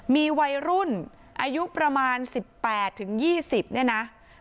มีวัยรุ่นอายุประมาณ๑๘๒๐เนี่ยนะ